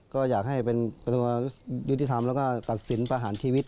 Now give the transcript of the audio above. ก็อยากให้เป็นปัจจุยุทธิธรรมแล้วก็ตัดเศษประหันทีวิต